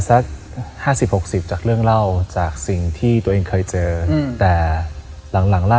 ซัก๕๐๖๐จากเรื่องเล่าจากสิ่งที่ตัวเองเคยเจอแต่หลังล่า